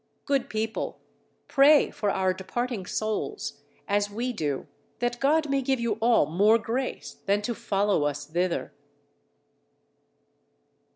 Good people, pray for our departing souls, as we do, that God may give you all more grace than to follow us thither.